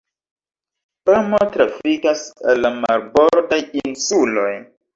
Pramo trafikas al la marbordaj insuloj.